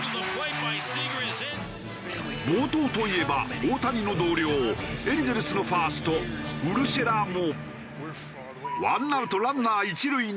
暴投といえば大谷の同僚エンゼルスのファーストウルシェラも。